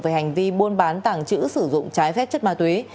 về hành vi buôn bán tảng chữ sử dụng trái phép chất ma túy